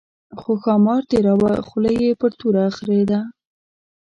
خو ښامار تېراوه خوله یې پر توره خرېده.